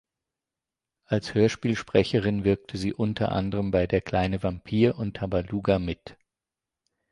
Als Hörspielsprecherin wirkte sie unter anderem bei "Der kleine Vampir" und "Tabaluga" mit.